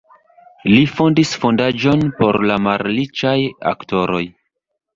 Li fondis fondaĵon por la malriĉaj aktoroj.